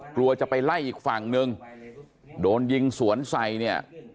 กลัวจะไปไล่อีกฝั่งนึงโดนยิงสวนใส่เนี่ย